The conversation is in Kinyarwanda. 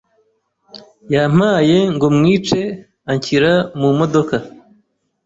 yampaye ngo mwice anshyira mu modoka